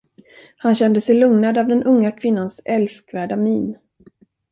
Han kände sig lugnad av den unga kvinnans älskvärda min.